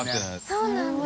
そうなんだ。